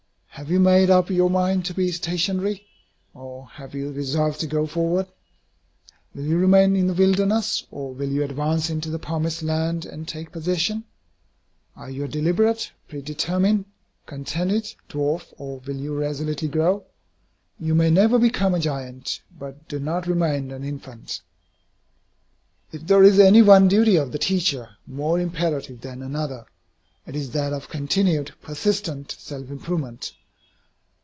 Have you made up your mind to be stationary, or have you resolved to go forward? Will you remain in the wilderness, or will you advance into the promised land and take possession? Are you a deliberate, predetermined, contented dwarf, or will you resolutely grow? You may never become a giant, but do not remain an infant. If there is any one duty of the teacher more imperative than another, it is that of continued, persistent self improvement.